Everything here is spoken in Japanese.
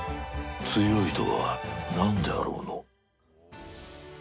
強いとはなんであろうの。